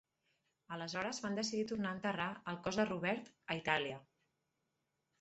Aleshores van decidir tornar a enterrar el cos de Robert a Itàlia.